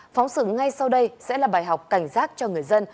phóng sự ngay sau đây sẽ là bài học cảnh giác cho người dân